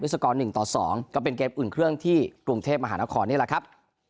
สกอร์๑ต่อ๒ก็เป็นเกมอุ่นเครื่องที่กรุงเทพมหานครนี่แหละครับ